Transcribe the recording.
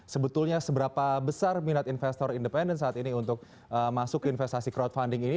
sebetulnya seberapa besar minat investor independen saat ini untuk masuk ke investasi crowdfunding ini